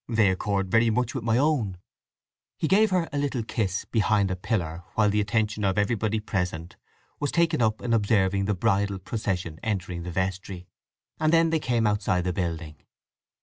"They accord very much with my own." He gave her a little kiss behind a pillar while the attention of everybody present was taken up in observing the bridal procession entering the vestry; and then they came outside the building.